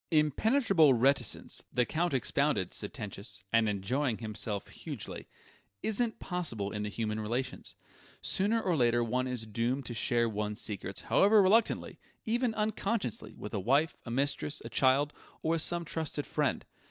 "Impenetrable reticence," the Count expounded, sententious and enjoying himself hugely "isn't possible in the human relations. Sooner or later one is doomed to share one's secrets, however reluctantly, even unconsciously, with a wife, a mistress, a child, or with some trusted friend.